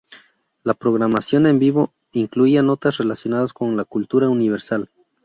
La programación en vivo incluía notas relacionadas con la cultura universal.